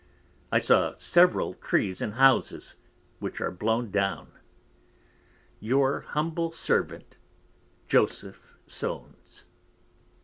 I saw several Trees and Houses which are blown down. Your Humble Servant, Jos. Soanes.